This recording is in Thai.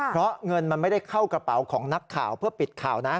เพราะเงินมันไม่ได้เข้ากระเป๋าของนักข่าวเพื่อปิดข่าวนะ